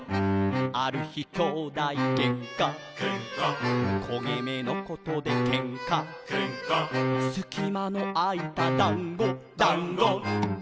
「ある日兄弟げんか」「けんか」「こげ目のことでけんか」「けんか」「すきまのあいただんご」「だんご」